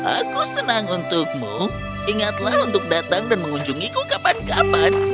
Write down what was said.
aku senang untukmu ingatlah untuk datang dan mengunjungiku kapan kapan